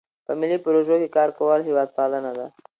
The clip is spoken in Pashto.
په ملي پروژو کې کار کول هیوادپالنه ده.